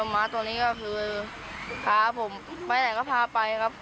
ม้าตัวนี้ก็คือพาผมไปไหนก็พาไปครับ